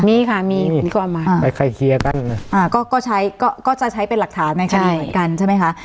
มีค่ะมีคนก็เอามาไปใครเคลียร์กันอ่าก็ก็ใช้ก็ก็จะใช้เป็นหลักฐานในคดีเหมือนกันใช่ไหมคะ